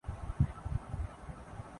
یہاں کے پہاڑوں پر کستوری ہرن